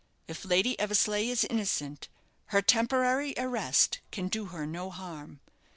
If Lady Eversleigh is innocent, her temporary arrest can do her no harm.